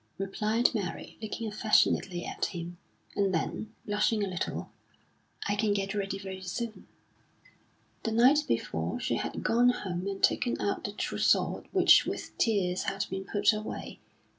replied Mary, looking affectionately at him. And then, blushing a little: "I can get ready very soon." The night before, she had gone home and taken out the trousseau which with tears had been put away.